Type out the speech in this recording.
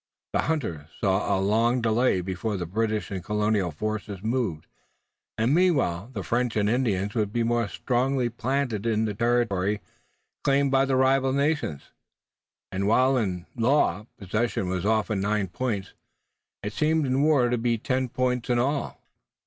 The hunter foresaw a long delay before the British and Colonial forces moved, and meanwhile the French and Indians would be more strongly planted in the territory claimed by the rival nations, and, while in law possession was often nine points, it seemed in war to be ten points and all.